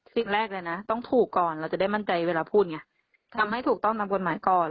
สิ่งแรกเลยนะต้องถูกก่อนเราจะได้มั่นใจเวลาพูดไงทำให้ถูกต้องตามกฎหมายก่อน